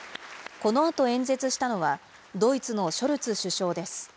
このあと演説したのは、ドイツのショルツ首相です。